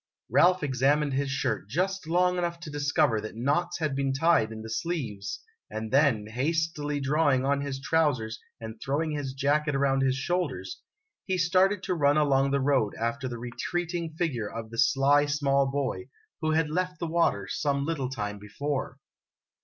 o Ralph examined his shirt just long enough to discover that knots had been tied in the sleeves and then, hastily drawing on his trousers and throwing his jacket around his shoulders, he started to run along the road after the retreating figure of the sly small boy, who had left the water some little time before.